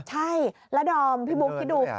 ใช่และดอมบู๊คที่ดู